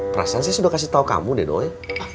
perasaan saya sudah kasih tau kamu deh doanya